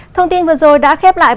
thông tin vừa rồi đã khép lại